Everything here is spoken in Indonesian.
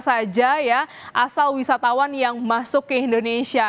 kita lihat nih negara mana saja ya asal wisatawan yang masuk ke indonesia